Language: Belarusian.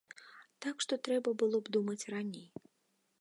Так што трэба было б думаць раней.